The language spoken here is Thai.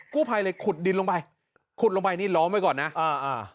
กู้ภัยเลยขุดดินลงไปขุดลงไปนี่ล้อมไว้ก่อนนะอ่าอ่า